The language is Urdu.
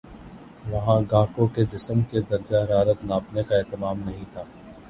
وہاں گاہکوں کے جسم کے درجہ حرارت ناپنے کا اہتمام نہیں تھا